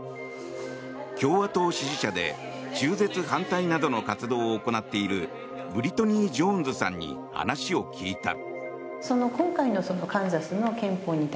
共和党支持者で中絶反対などの活動を行っているブリトニー・ジョーンズさんに話を聞いた。